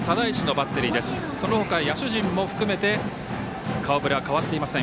そのほか野手陣も含めて顔ぶれは変わっていません。